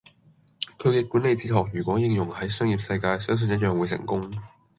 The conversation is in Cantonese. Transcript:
佢嘅管理哲學如果應用係商業世界，相信一樣會成功。